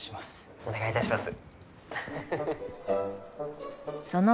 お願いいたします！